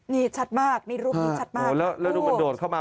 นี่ชัดมากนี่รูปนี้ชัดมากโอ้แล้วดูมันโดดเข้ามา